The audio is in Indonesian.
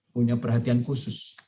punya perhatian khusus